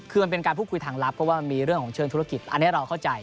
คือมันเป็นการพูดคุยทางลับเพราะว่ามีเรื่องของเชิงธุรกิจอันนี้เราเข้าใจ